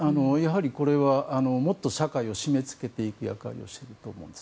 これはもっと社会を締め付けていく役割をしていると思います。